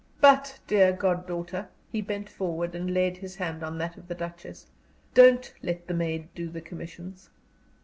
But, dear goddaughter" he bent forward and laid his hand on that of the Duchess "don't let the maid do the commissions."